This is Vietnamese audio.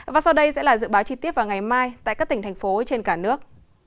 và sau đây sẽ là dự báo chi tiết vào ngày mai tại các tỉnh thành phố trên cả nước